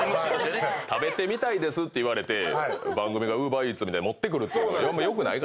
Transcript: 食べてみたいですって言われて番組がＵｂｅｒＥａｔｓみたいに持ってくるのがよくないから。